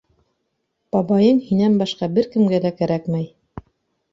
Бабайың һинән башҡа бер кемгә лә кәрәкмәй!